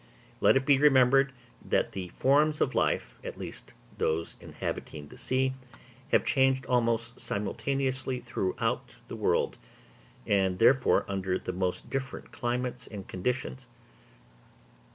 Let it be remembered that the forms of life, at least those inhabiting the sea, have changed almost simultaneously throughout the world, and therefore under the most different climates and conditions.